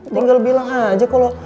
tinggal bilang aja kalau